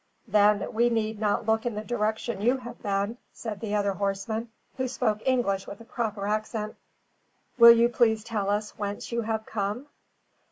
"Then we need not look in the direction you have been," said the other horseman, who spoke English with a proper accent. "Will you please tell us whence you have come?"